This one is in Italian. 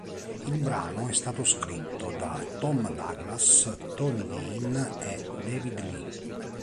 Il brano è stato scritto da Tom Douglas, Tony Lane, e David Lee.